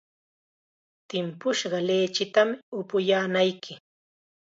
Timpushqa lichitam upuyaanayki.